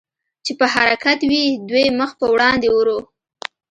چې په حرکت وې، دوی مخ په وړاندې ورو.